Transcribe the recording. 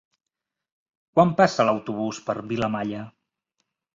Quan passa l'autobús per Vilamalla?